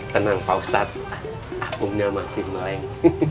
tenang pak ustadz aku yang masih meleng